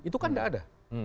itu kan tidak ada